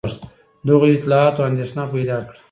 دغو اطلاعاتو اندېښنه پیدا کړه.